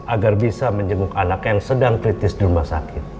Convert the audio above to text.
agar bisa menjenguk anak yang sedang kritis durma sakit